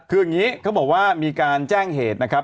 คืออย่างนี้เขาบอกว่ามีการแจ้งเหตุนะครับ